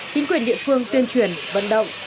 chính quyền địa phương tuyên truyền vận động